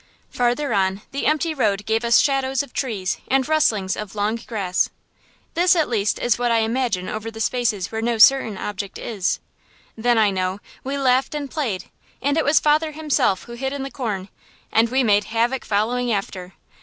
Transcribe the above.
Farther on, the empty road gave us shadows of trees and rustlings of long grass. This, at least, is what I imagine over the spaces where no certain object is. Then, I know, we ran and played, and it was father himself who hid in the corn, and we made havoc following after.